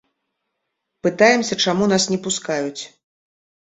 Пытаемся, чаму нас не пускаюць.